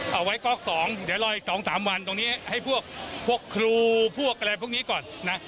เอาไว้ก๊อก๒เดี๋ยวรออีก๒๓วันตรงนี้ให้พวกครูพวกอะไรพวกนี้ก่อนนะ